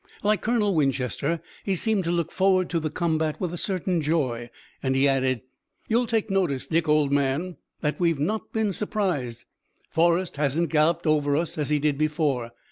Like Colonel Winchester, he seemed to look forward to the combat with a certain joy, and he added: "You'll take notice, Dick, old man, that we've not been surprised. Forrest hasn't galloped over us as he did before.